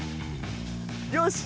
よし！